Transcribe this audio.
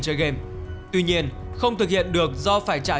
chơi game tuy nhiên không thực hiện được do phải trả